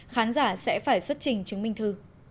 khán giả sẽ phải xuất trình chứng minh thư